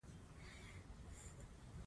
هغه ګوري چې د څرمن جوړونې په کارخانه کې ګټه ده